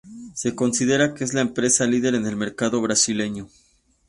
Se considera que es la empresa líder en el mercado brasileño.